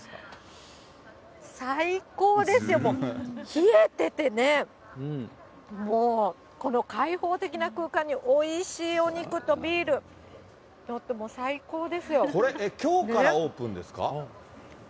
最高ですよ、冷えててね、もう、この開放的な空間においしいお肉とビール、ちょっともう、これ、きょうからオープンですか？